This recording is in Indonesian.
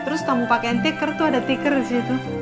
terus kamu pakaian tiket tuh ada tiket disitu